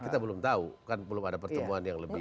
kita belum tahu kan belum ada pertemuan yang lebih